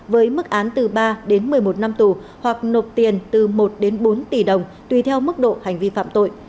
với mức án từ ba đến một mươi một năm tù hoặc nộp tiền từ một đến bốn tỷ đồng tùy theo mức độ hành vi phạm tội